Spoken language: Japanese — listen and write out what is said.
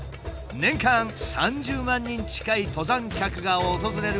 年間３０万人近い登山客が訪れる富士山。